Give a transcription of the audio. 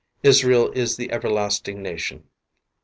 Israel is the everlasting nation.